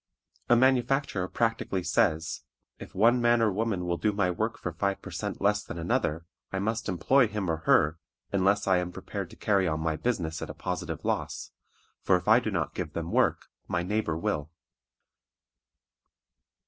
A manufacturer practically says, "If one man or woman will do my work for five per cent. less than another, I must employ him or her unless I am prepared to carry on my business at a positive loss; for if I do not give them work, my neighbor will."